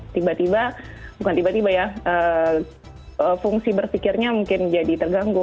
tiba tiba bukan tiba tiba ya fungsi berpikirnya mungkin jadi terganggu